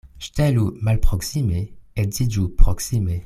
Ŝtelu malproksime, edziĝu proksime.